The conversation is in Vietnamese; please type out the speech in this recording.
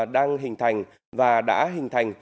đang hình thành và đã hình thành